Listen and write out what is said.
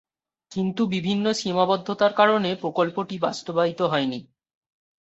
কিন্তু বিভিন্ন সীমাবদ্ধতার কারণে প্রকল্পটি বাস্তবায়িত হয়নি।